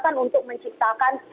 kan untuk menciptakan